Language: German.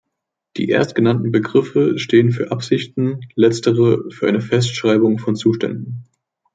Die erstgenannten Begriffe stehen für Absichten, letztere für eine Festschreibung von Zuständen.